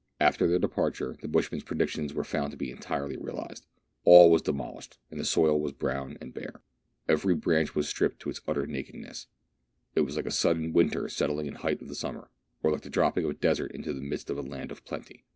After their departure the bushman's predictions were found to be entirely realized. All was demolished, and the soil was brown and bare. Every branch was stripped to utter nakedness. It was like a sudden winter settling in the height of summer, or like the dropping of a desert into the midst of a land of plenty.